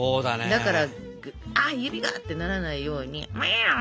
だから「あ指が！」ってならないように。